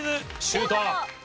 シュート！